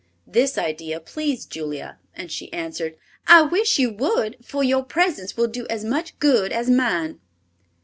This idea pleased Julia, and she answered, "I wish you would, for your presence will do as much good as mine."